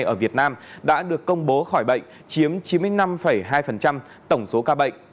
ở việt nam đã được công bố khỏi bệnh chiếm chín mươi năm hai tổng số ca bệnh